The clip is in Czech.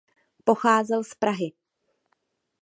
Pocházel z Prahy.